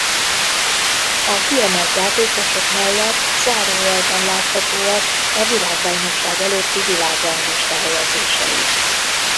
A kiemelt játékosok mellett zárójelben láthatóak a világbajnokság előtti világranglista-helyezéseik.